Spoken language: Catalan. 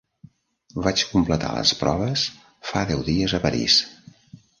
Vaig completar les proves fa deu dies a París.